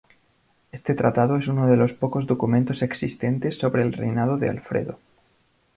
Este tratado es uno de los pocos documentos existentes sobre el reinado de Alfredo.